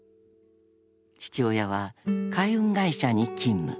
［父親は海運会社に勤務］